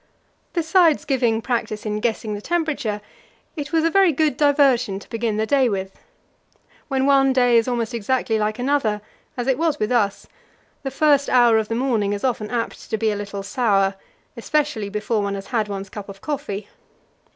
Besides giving practice in guessing the temperature, it was a very good diversion to begin the day with. When one day is almost exactly like another, as it was with us, the first hour of the morning is often apt to be a little sour, especially before one has had one's cup of coffee.